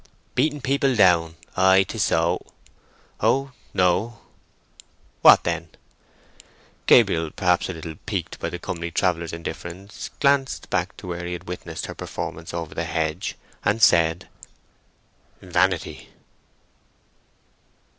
"Beating people down? ay, 'tis so." "O no." "What, then?" Gabriel, perhaps a little piqued by the comely traveller's indifference, glanced back to where he had witnessed her performance over the hedge, and said, "Vanity."